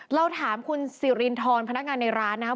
เราถามคุณสิรินทรพนักงานในร้านนะครับ